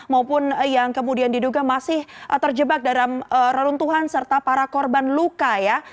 maupun yang kemudian diduga masih terjebak dalam reruntuhan serta para korban luka ya